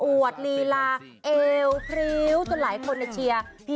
วดลีลาเอวพริ้วจนหลายคนเชียร์